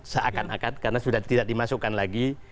seakan akan karena sudah tidak dimasukkan lagi